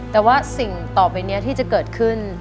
แต่ว่าสิ่งต่อไปนี้ที่จะเกิดขึ้น